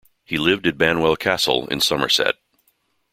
He lived at Banwell Castle in Somerset.